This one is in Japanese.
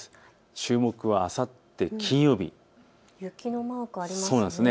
注目はあさって金曜日、雪のマークがありますね。